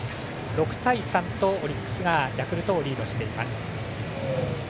６対３とオリックスがヤクルトをリードしています。